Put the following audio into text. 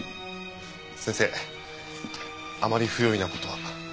先生あまり不用意な事は。